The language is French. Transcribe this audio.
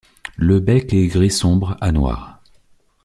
Le bec est gris sombre à noir.